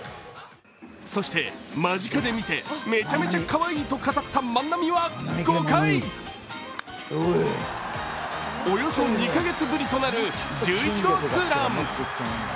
そして、間近で見てめちゃめちゃかわいいと語った万波は５回、およそ２カ月ぶりとなる１１号ツーラン。